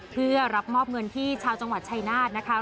เพื่อรับมอบเงินที่ชาวจังหวัดชายนาฏนะคะ